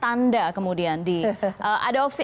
tanda kemudian di